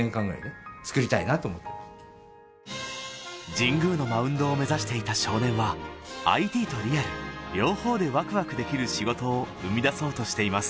神宮のマウンドを目指していた少年はＩＴとリアル両方でワクワクできる仕事を生み出そうとしています